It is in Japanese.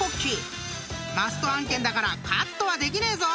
［マスト案件だからカットはできねえぞ！］